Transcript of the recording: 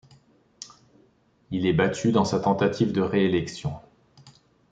Il est battu dans sa tentative de réélection.